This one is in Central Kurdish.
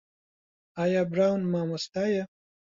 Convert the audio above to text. ئایا براون مامۆستایە؟